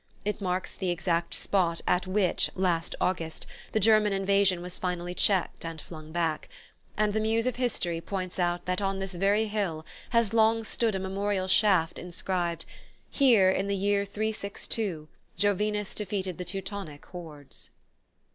It marks the exact spot at which, last August, the German invasion was finally checked and flung back; and the Muse of History points out that on this very hill has long stood a memorial shaft inscribed: _Here, in the year 362, Jovinus defeated the Teutonic hordes.